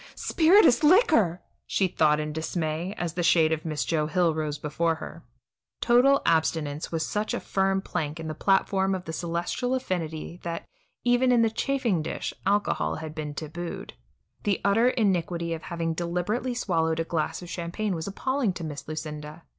"Spirituous liquor!" she thought in dismay, as the shade of Miss Joe Hill rose before her. Total abstinence was such a firm plank in the platform of the celestial affinity that, even in the chafing dish, alcohol had been tabooed. The utter iniquity of having deliberately swallowed a glass of champagne was appalling to Miss Lucinda.